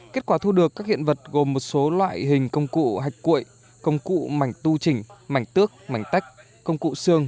kết quả thu được các hiện vật gồm một số loại hình công cụ hạch cuội công cụ mảnh tu chỉnh mảnh tước mảnh tách công cụ xương